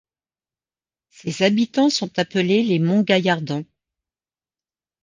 Ses habitants sont appelés les Montgaillardans.